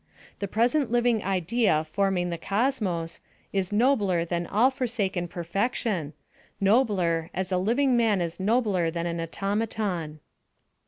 The present living idea informing the cosmos, is nobler than all forsaken perfection nobler, as a living man is nobler than an automaton.